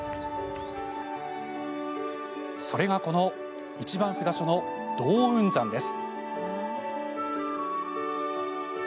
それが、この１番札所の洞雲山です。